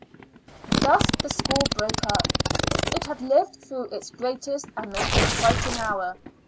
Thus the school broke up. It had lived through its greatest and most exciting hour.